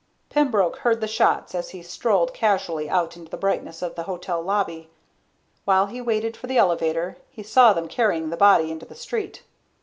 Pembroke heard the shots as he strolled casually out into the brightness of the hotel lobby. While he waited for the elevator, he saw them carrying the body into the street.